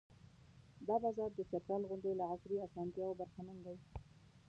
دا بازار د چترال غوندې له عصري اسانتیاوو برخمن دی.